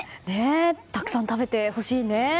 たくさん食べてほしいね。